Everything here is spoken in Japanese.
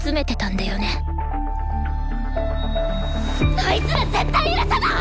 あいつら絶対許さない！